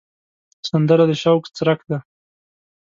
سندره د شوق څرک دی